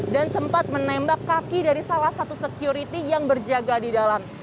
dan sempat menembak kaki dari salah satu security yang berjaga di dalam